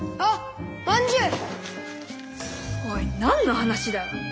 おい何の話だよ？